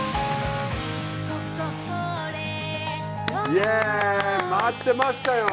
イエイ待ってましたよ！